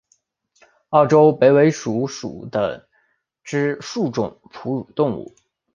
澳洲白尾鼠属等之数种哺乳动物。